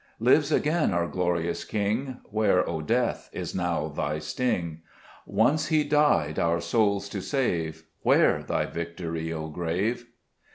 3 Lives again our glorious King : Where, O death, is now thy sting ? Once He died, our souls to save : Where thy victory, O grave